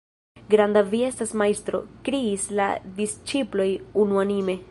"Granda vi estas majstro!" Kriis la disĉiploj unuanime.